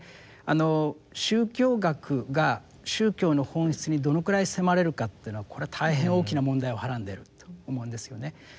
宗教学が宗教の本質にどのくらい迫れるかっていうのはこれ大変大きな問題をはらんでいると思うんですよね。